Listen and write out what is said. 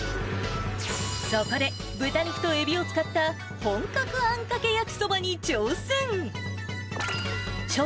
そこで、豚肉とエビを使った本格あんかけ焼きそばに挑戦。